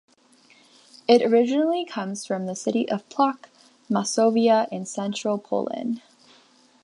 It originally comes from the city of Plock, Masovia in central Poland.